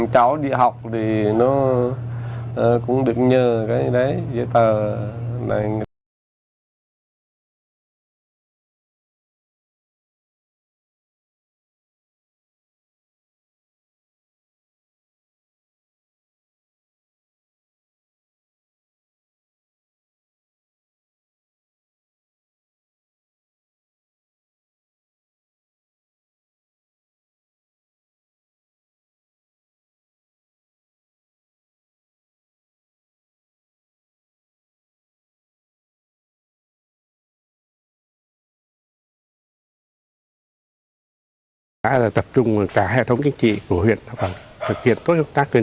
cháu đi học thì nó cũng được nhờ cái gì đấy giấy tờ này